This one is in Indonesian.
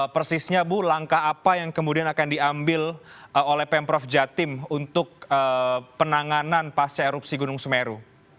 persisnya bu langkah apa yang kemudian akan diambil oleh pemprov jatim untuk penanganan pasca erupsi gunung semeru